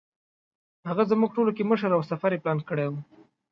هغه زموږ ټولو کې مشر او سفر یې پلان کړی و.